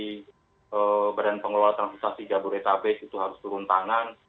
di badan pengelola transportasi jabodetabek itu harus turun tangan